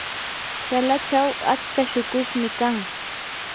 chalachaw atsa shuqushmi kan.